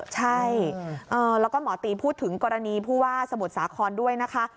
ใช่แล้วก็หมอตีพูดถึงกรณีผู้ว่าสมุทรสาครด้วยนะคะ